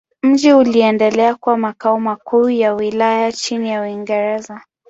Mji uliendelea kuwa makao makuu ya wilaya chini ya Waingereza.